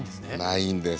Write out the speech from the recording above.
ないんです。